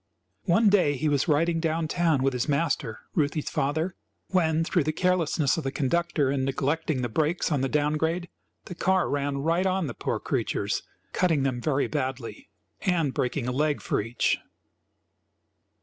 One day he was riding down town with his master (Ruthie's father) when, through the carelessness of the conductor in neglecting the brakes on the down grade, the car ran right on the poor creatures, cutting them very badly and breaking a leg for each.